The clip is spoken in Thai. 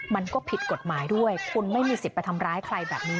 มันก็ผิดกฎหมายด้วยคุณไม่มีสิทธิ์ไปทำร้ายใครแบบนี้